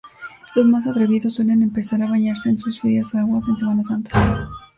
Los más atrevidos suelen empezar a bañarse en sus frías aguas en Semana Santa.